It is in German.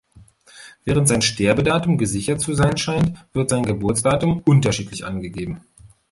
Während sein Sterbedatum gesichert zu sein scheint, wird sein Geburtsdatum unterschiedlich angegeben.